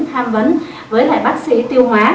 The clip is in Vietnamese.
tham vấn với lại bác sĩ tiêu hóa